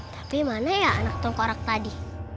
tapi mana ya anak tengkorak tadi